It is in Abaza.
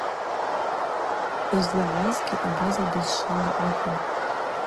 Дызлагӏвуазгьи абаза бызшвала акӏвын.